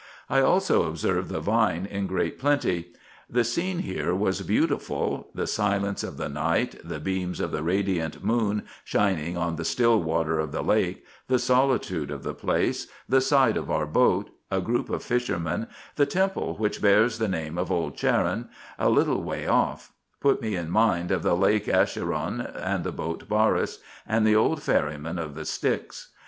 I also observed the vine in great plenty. The scene here was beautiful — the silence of the night, the beams of the radiant moon shining on the still water of the lake, the solitude of the place, the sight of our boat, the group of fishermen, the temple, which bears the name of Old Charon, a little way off, put me in mind of the Lake Acheron, the boat Baris, and the old ferryman of the Styx.